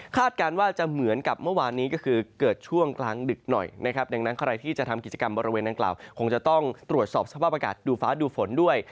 การว่าจะเหมือนกับเมื่อวานนี้ก็คือเกิดช่วงกลางดึกหน่อยนะครับดังนั้นใครที่จะทำกิจกรรมบริเวณดังกล่าวคงจะต้องตรวจสอบสภาพอากาศดูฟ้าดูฝนด้วย